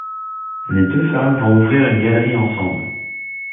Les deux femmes vont ouvrir une galerie ensemble.